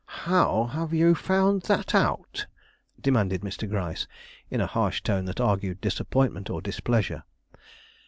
"How have you found that out?" demanded Mr. Gryce, in a harsh tone that argued disappointment or displeasure.